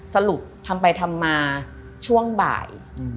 สรุปทำไปทำมาช่วงบ่าย